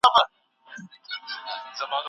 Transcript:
موسیقي اورېدل د خوشحالۍ سبب ګرځي.